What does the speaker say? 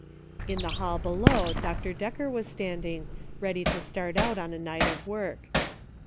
In the hall below Dr. Decker was standing, ready to start out on a night of work.